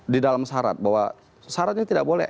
di dalam syarat bahwa syaratnya tidak boleh